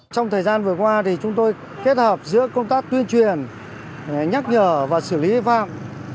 trong thời gian vừa qua thì chúng tôi kết hợp giữa công tác tuyên truyền nhắc nhở và xử lý vi phạm